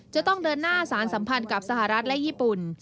จะต้องเดินหน้าสารสัมพันธ์กับสหรัฐและญี่ปุ่น